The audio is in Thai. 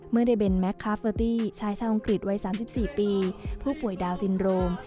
เมื่อได้เป็นแมคคาเฟอร์ตี้ชายชาวอังกฤษวัย๓๔ปีผู้ป่วยดาวซินโรม